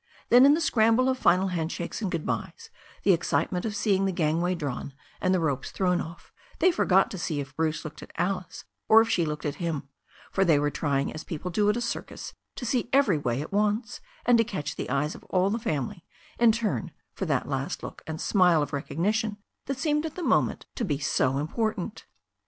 Then in the scramble of final hand shakes and good byes, the excitement of seeing the gangway drawn and the ropes thrown off, they forgot to see if Bruce looked at Alice or if she looked at him, for they were trying as people do at a circus to see every way at once, and to catch the eyes of all the family in turn for that last look and smile of recognition that seemed at the moment to be so impor tant.